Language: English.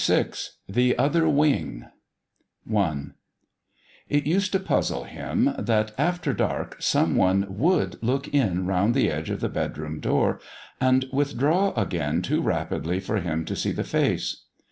VI THE OTHER WING 1 It used to puzzle him that, after dark, some one would look in round the edge of the bedroom door, and withdraw again too rapidly for him to see the face.